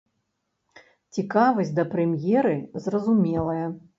Цікавасць да прэм'еры зразумелая.